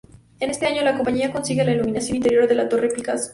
En este año, la compañía consigue la iluminación interior de la Torre Picasso.